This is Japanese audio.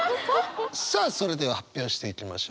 さあそれでは発表していきましょう。